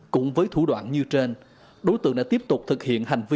cũng với thủ đoạn như trên đối tượng đã tiếp tục thực hiện hành vi